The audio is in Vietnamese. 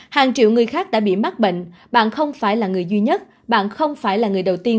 hàng triệu người khác đã bị mắc bệnh bạn không phải là người duy nhất bạn không phải là người đầu tiên